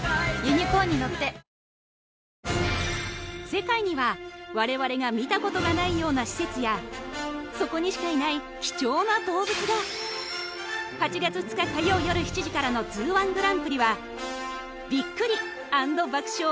世界には我々が見たことがないような施設やそこにしかいない貴重な動物が８月２日火曜夜７時からのＺＯＯ−１グランプリはびっくり＆爆笑！